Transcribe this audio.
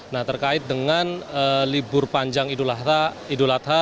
nah terkait dengan libur panjang idul adha